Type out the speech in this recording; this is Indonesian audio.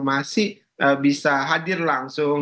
masih bisa hadir langsung